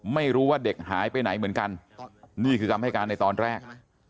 ไม่รู้ว่าเด็กหายไปไหนเหมือนกันนี่คือคำให้การในตอนแรก